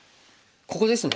ここですね。